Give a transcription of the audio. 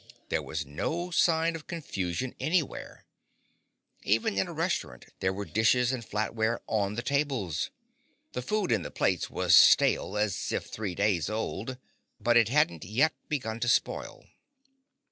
There was no sign of confusion anywhere. Even in a restaurant there were dishes and flatware on the tables. The food in the plates was stale, as if three days old, but it hadn't yet begun to spoil.